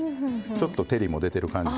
ちょっと照りも出ている感じ。